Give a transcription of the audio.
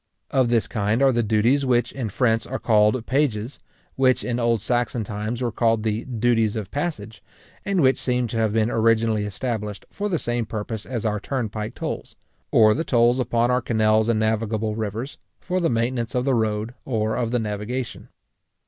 Of this kind are the duties, which, in French, are called peages, which in old Saxon times were called the duties of passage, and which seem to have been originally established for the same purpose as our turnpike tolls, or the tolls upon our canals and navigable rivers, for the maintenance of the road or of the navigation.